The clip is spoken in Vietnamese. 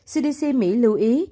cdc mỹ lưu ý